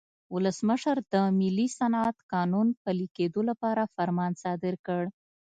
ولسمشر د ملي صنعت قانون پلي کېدو لپاره فرمان صادر کړ.